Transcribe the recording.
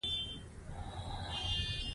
پیرودونکی د جنس کیفیت وستایه.